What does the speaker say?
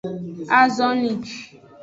Azonli.